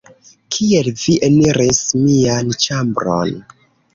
Kiel vi eniris mian ĉambron?